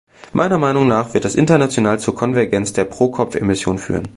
Meiner Meinung nach wird das international zur Konvergenz der Pro-Kopf-Emissionen führen.